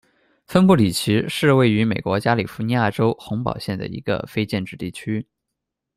芬布里奇是位于美国加利福尼亚州洪堡县的一个非建制地区。